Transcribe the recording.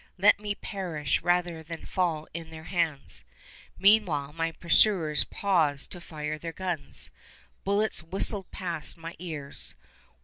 Let me perish rather than fall in their hands!" Meanwhile my pursuers paused to fire their guns. Bullets whistled past my ears.